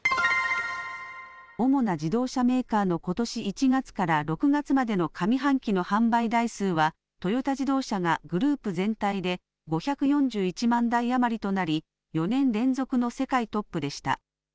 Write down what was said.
主な自動車メーカーのことし１月から６月までの上半期の販売台数はトヨタ自動車がグループ全体で５４１万台余りとなり４年連続の世界トップでした。